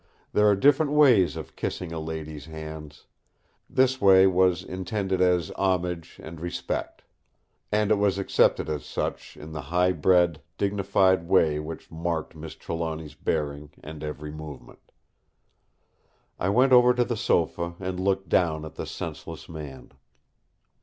There are different ways of kissing a lady's hands. This way was intended as homage and respect; and it was accepted as such in the high bred, dignified way which marked Miss Trelawny's bearing and every movement. I went over to the sofa and looked down at the senseless man.